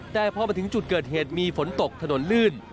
แต่พอมาถึงจุดเกิดเหตุมีฝนตกถนนลื่น